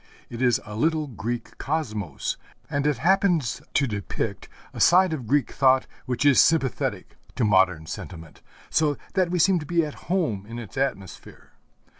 It is a little Greek cosmos, and it happens to depict a side of Greek thought which is sympathetic to modern sentiment, so that we seem to be at home in its atmosphere.